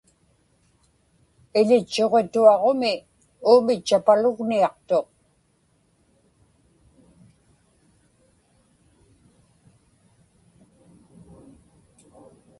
Iḷitchuġituaġumi uumitchapalugniaqtuq